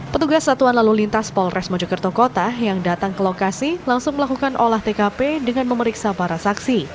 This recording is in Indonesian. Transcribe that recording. petugas satuan lalu lintas polres mojokerto kota yang datang ke lokasi langsung melakukan olah tkp dengan memeriksa para saksi